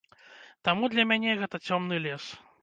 Таму для мяне гэта цёмны лес.